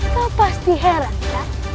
kau pasti heran kan